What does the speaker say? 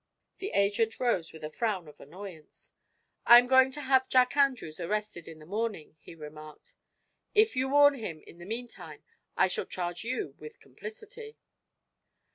The agent rose with a frown of annoyance. "I am going to have Jack Andrews arrested in the morning," he remarked. "If you warn him, in the meantime, I shall charge you with complicity."